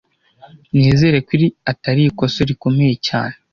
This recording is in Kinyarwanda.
Nizere ko iri atari ikosa rikomeye cyane